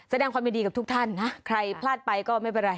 แสดงความยินดีกับทุกท่านนะใครพลาดไปก็ไม่เป็นไร